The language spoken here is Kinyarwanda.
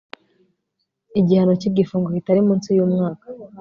igihano cy igifungo kitari munsi y umwaka